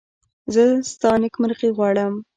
زه ستا نېکمرغي غواړم.